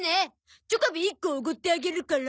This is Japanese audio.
チョコビ１個おごってあげるから。